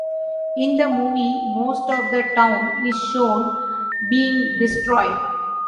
In the movie most of the town is shown being destroyed.